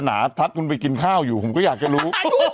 หนาทัดคุณไปกินข้าวอยู่ผมก็อยากจะรู้